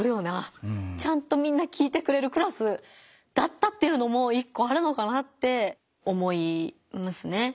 ちゃんとみんな聞いてくれるクラスだったっていうのも一個あるのかなって思いますね。